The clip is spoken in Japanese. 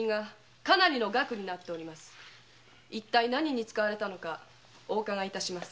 何に使われたのかおうかがい致します。